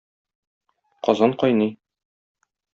Казан кайный.